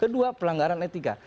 kedua pelanggaran etika